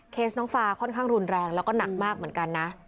น้องฟ้าค่อนข้างรุนแรงแล้วก็หนักมากเหมือนกันนะ